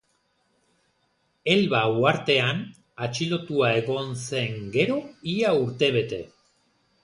Elba uhartean atxilotua egon zen gero ia urtebete.